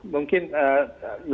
mungkin nanti ibu